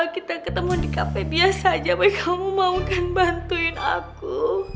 kita ketemuan di cafe biasa aja boy kamu mau kan bantuin aku